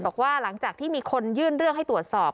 บอกว่าหลังจากที่มีคนยื่นเรื่องให้ตรวจสอบ